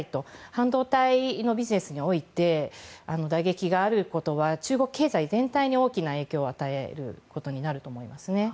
半導体のビジネスにおいて打撃があることは中国経済全体に大きな影響を与えることになると思いますね。